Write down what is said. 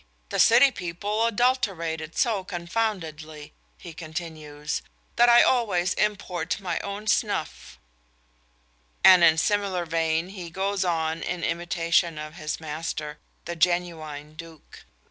"The city people adulterate it so confoundedly," he continues, "that I always import my own snuff;" and in similar vein he goes on in imitation of his master, the genuine Duke.